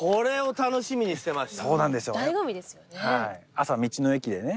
朝道の駅でね